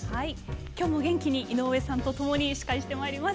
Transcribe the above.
今日も元気に井上さんと共に司会してまいります。